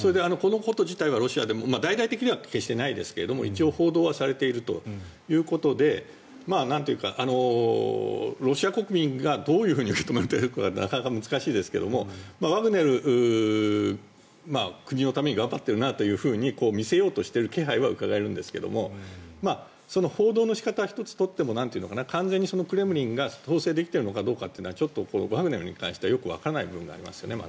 これ自体はロシアでも大々的ではないですが一応報道はされているということでロシア国民がどういうふうに受け止めているかはなかなか難しいですがワグネル国のために頑張っているなと見せようとしている気配はうかがえるんですけど報道の仕方１つ取っても完全にクレムリンが統制できているのかどうかはワグネルに関してはよくわからない部分がまだありますよね。